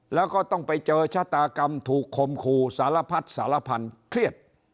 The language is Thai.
แล้วก็ต้องไปเจอชะตากรรมถูกคมคู่สารพัดสารพันธุ์เครียด